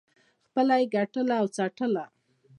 خپله یې ګټله او څټله.